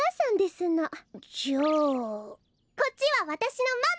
こっちはわたしのママ！